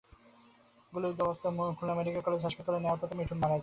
গুলিবিদ্ধ অবস্থায় Khulna medical college হাসপাতালে নেওয়ার পথে মিঠুন মারা যান।